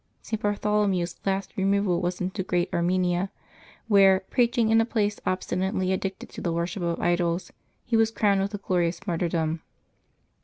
St. Bartholomew's last removal was into Great Armenia, where, preaching in a place obstinately addicted to the worship of idols, he was crowned with a glorious martyrdom.